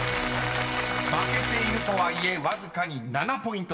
［負けているとはいえわずかに７ポイント差です］